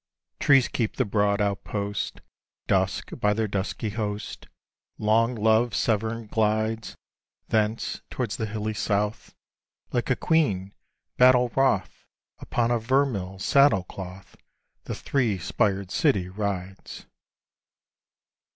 Trees keep the broad outpost; Dusk, by their dusky host, Long loved Severn glides. Thence, towards the hilly south, Like a queen, battle wroth, Upon a vermeil saddle cloth, The three spired city rides.